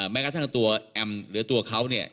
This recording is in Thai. แม้กระทั่งตัวแอมหรือตัวเขาเนี่ย